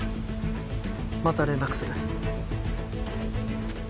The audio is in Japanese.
また連絡する。